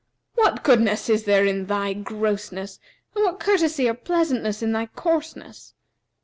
What goodness is there in thy grossness, and what courtesy or pleasantness in thy coarseness?